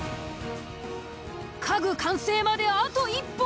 家具完成まであと一歩。